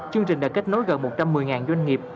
chương trình đã kết nối gần một trăm một mươi doanh nghiệp